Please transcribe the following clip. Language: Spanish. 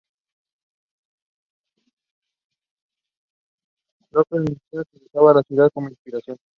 López-Menchero utiliza la ciudad como inspiración para sus lienzos para sus proyectos socialmente comprometidos.